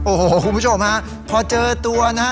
โอ้โหคุณผู้ชมฮะพอเจอตัวนะฮะ